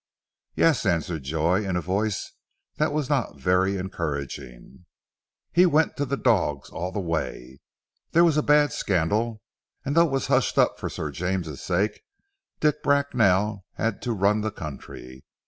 "Yes," answered Joy, in a voice that was not very encouraging. "He went to the dogs all the way. There was a bad scandal, and though it was hushed up for Sir James' sake, Dick Bracknell had to run the country.